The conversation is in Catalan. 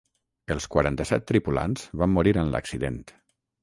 Els quaranta-set tripulants van morir en l'accident.